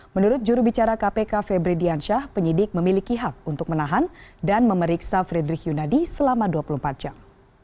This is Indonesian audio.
menurut jurubicara kpk febri diansyah penyidik memiliki hak untuk menahan dan memeriksa frederick yunadi selama dua puluh empat jam